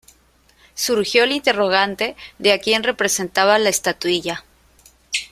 Surgió el interrogante de a quien representaba la estatuilla.